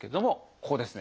ここですね。